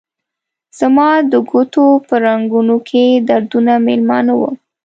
زما د ګوتو په رګونو کې دردونه میلمانه وه